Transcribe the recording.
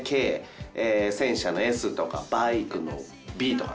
戦車の「Ｓ」とかバイクの「Ｂ」とか。